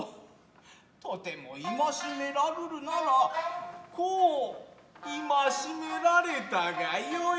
とても縛めらるるならこう縛められたがよい。